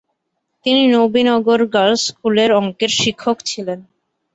তিনি নবীনগর গার্লস স্কুলের অঙ্কের শিক্ষক ছিলেন।